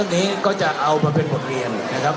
นี้ก็จะเอามาเป็นบทเรียนนะครับ